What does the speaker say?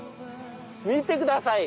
見てください！